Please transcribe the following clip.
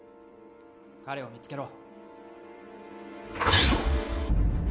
彼を見つけろ